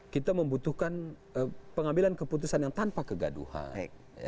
kita membutuhkan pengambilan keputusan yang tanpa kegaduhan